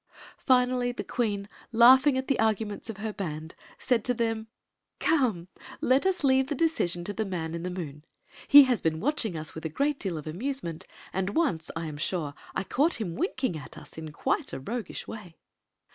Finally the queen, laughing at the arguments of her band, said to them: " Come ! Let us leave the decision to the Man in the Moon. He has been watching us with a great deal of amusement, and once, I am sure, I caught him winking at us in quite a roguish way."